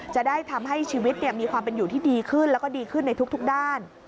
จะได้ทำให้ชีวิตมีความเป็นอยู่ที่ดีขึ้นแล้วก็ดีขึ้นในทุกด้าน